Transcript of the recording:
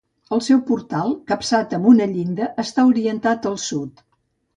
El seu portal capçat amb una llinda està orientat al sud.